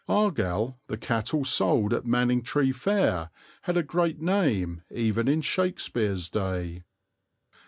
Argal, the cattle sold at Manningtree Fair had a great name even in Shakespeare's day.